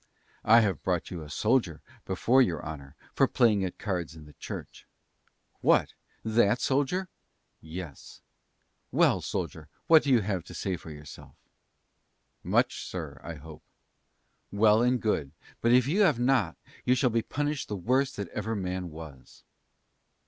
"I have brought a soldier before your honour, for playing at cards in the church." "What! that soldier." "Yes." "Well, soldier, what have you to say for yourself?" "Much sir, I hope." "Well and good, but if you have not you shall be punished the worst that ever man was."